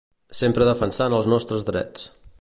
Sempre defensant els nostres drets.